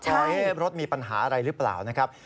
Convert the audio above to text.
ว่ารถมีปัญหาอะไรหรือเปล่านะครับ